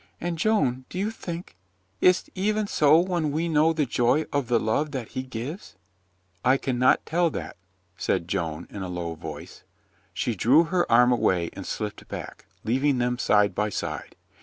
And, Joan — do you think — is't even so when we know the joy of the love that He gives ?" "I can not tell that," said Joan in a low voice. She drew her arm away and slipped back, leaving them side by side.